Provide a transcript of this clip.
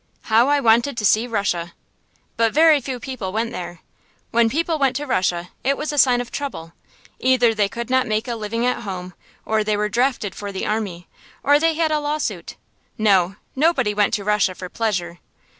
How I wanted to see Russia! But very few people went there. When people went to Russia it was a sign of trouble; either they could not make a living at home, or they were drafted for the army, or they had a lawsuit. No, nobody went to Russia for pleasure.